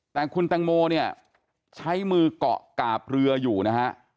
แต่คุณแตงโมเนี่ยใช้มือเกาะกาบเรืออยู่นะฮะ